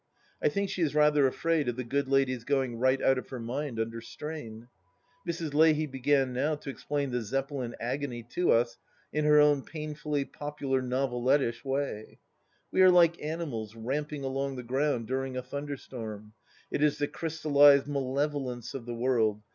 I think she is rather afraid of the good lady's going right out of her mind under strain. ... Mrs. Leahy began, now, to explain the Zeppelin agony to us in her own painfully, popular novelettish way. " We are like animals ramping along the ground during a thunderstorm. It is the crystallized malevolence of the world.